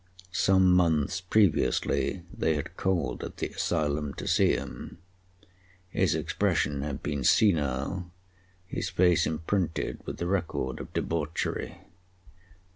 Some months previously they had called at the asylum to see him. His expression had been senile, his face imprinted with the record of debauchery.